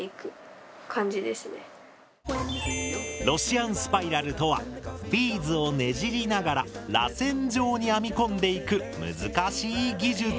ロシアンスパイラルとはビーズをねじりながららせん状に編み込んでいく難しい技術。